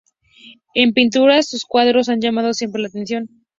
En pintura sus cuadros han llamado siempre la atención.